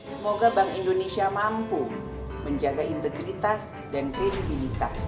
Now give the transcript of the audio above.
semoga bank indonesia mampu menjaga integritas dan kredibilitas